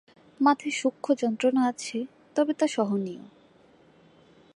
মাথায় সূক্ষ্ম যন্ত্রণা আছে, তবে তা সহনীয়।